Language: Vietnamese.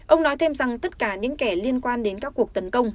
ông nói thêm rằng tất cả những kẻ liên quan đến các cuộc tấn công